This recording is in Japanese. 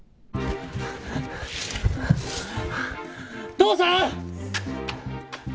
父さん！